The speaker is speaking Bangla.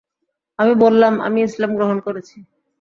আমি বললাম, আমি ইসলাম গ্রহণ করেছি।